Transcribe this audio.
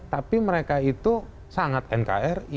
tapi mereka itu sangat nkri